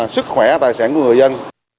sức khỏe tài sản của người dân